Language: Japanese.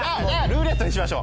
「ルーレット」